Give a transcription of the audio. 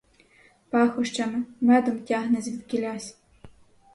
Пахощами, медом тягне звідкілясь.